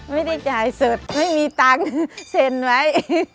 ไม่ได้จ่ายสดไม่มีตังค์เซ็นไว้